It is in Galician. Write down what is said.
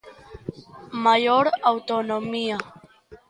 Maior autonomía.